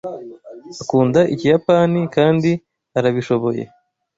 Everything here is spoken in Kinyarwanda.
Akunda Ikiyapani, kandi arabishoboye